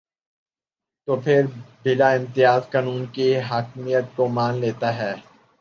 تو پھر بلا امتیاز قانون کی حاکمیت کو مان لیتا ہے۔